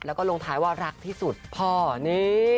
แล้วก็คือลงท้ายลูกพ่อพ่อนี่